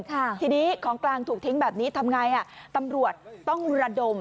ทีนี้ของกลางถูกทิ้งแบบนี้ทำไงอ่ะตำรวจต้องระดม